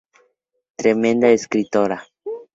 Tremenda escritora.